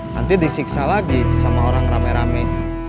nanti disiksa lagi sama orang rame rame